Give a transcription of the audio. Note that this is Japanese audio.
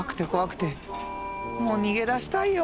もう逃げ出したいよ！